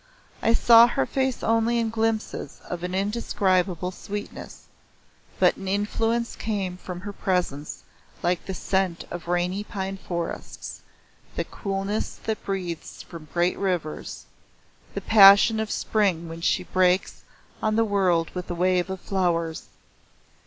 I saw her face only in glimpses of an indescribable sweetness, but an influence came from her presence like the scent of rainy pine forests, the coolness that breathes from great rivers, the passion of Spring when she breaks on the world with a wave of flowers.